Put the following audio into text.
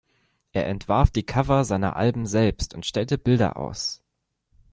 Er entwarf die Cover seiner Alben selbst und stellte Bilder aus.